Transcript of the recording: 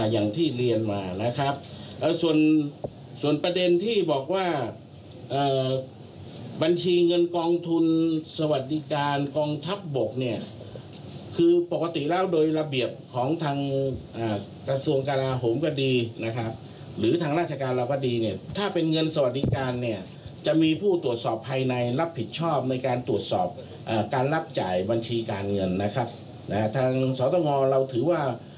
อย่างที่เรียนมานะครับส่วนประเด็นที่บอกว่าบัญชีเงินกองทุนสวัสดิการกองทัพบกเนี่ยคือปกติแล้วโดยระเบียบของทางกระทรวงกราโหมก็ดีนะครับหรือทางราชการเราก็ดีเนี่ยถ้าเป็นเงินสวัสดิการเนี่ยจะมีผู้ตรวจสอบภายในรับผิดชอบในการตรวจสอบการรับจ่ายบัญชีการเงินนะครับทางสตงเราถือว่า